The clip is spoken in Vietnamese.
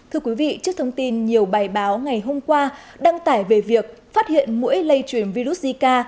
thưa quý vị trước thông tin nhiều bài báo ngày hôm qua đăng tải về việc phát hiện mũi lây truyền virus zika